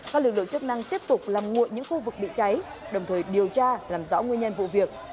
các lực lượng chức năng tiếp tục làm nguội những khu vực bị cháy đồng thời điều tra làm rõ nguyên nhân vụ việc